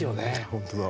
本当だ。